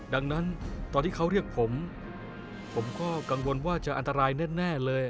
ดังนั้นตอนที่เขาเรียกผมผมก็กังวลว่าจะอันตรายแน่เลย